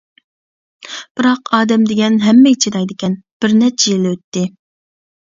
بىراق ئادەم دېگەن ھەممىگە چىدايدىكەن، بىر نەچچە يىل ئۆتتى.